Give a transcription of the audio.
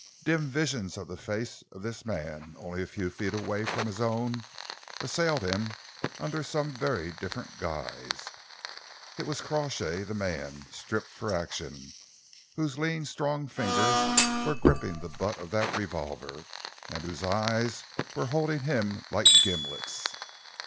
Dim visions of the face of this man, only a few feet away from his own, assailed him under some very different guise. It was Crawshay the man, stripped for action, whose lean, strong fingers were gripping the butt of that revolver, and whose eyes were holding him like gimlets.